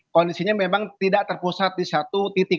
kondisinya memang tidak terpusat di satu titik